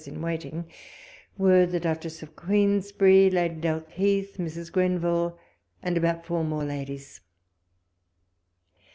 91 in waiting, were the Duchess of Queensbevry, Lady Dalkeith, Mrs. Grenville, and about four more ladies.